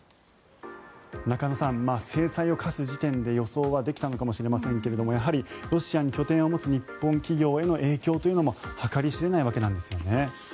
中野さん、制裁を科す時点で予想はできたのかもしれませんがやはりロシアに拠点を持つ日本企業への影響というのも計り知れないわけなんですよね。